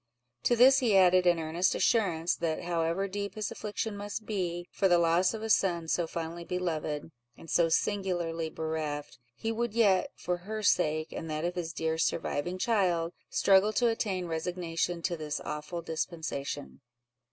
To this he added an earnest assurance, that however deep his affliction must be, for the loss of a son so fondly beloved, and so singularly bereft, he would yet, for her sake, and that of his dear surviving child, struggle to attain resignation to this awful dispensation.